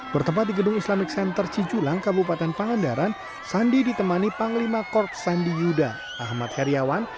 bertempat di gedung islamic center ciculang kabupaten pangandaran sandi ditemani panglima korp sandi yuda ahmad heriawan